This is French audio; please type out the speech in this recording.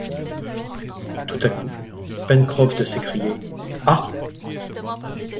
Tout à coup, Pencroff de s’écrier: « Ah!